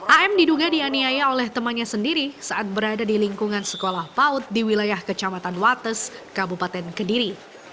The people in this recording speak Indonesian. am diduga dianiaya oleh temannya sendiri saat berada di lingkungan sekolah paut di wilayah kecamatan wates kabupaten kediri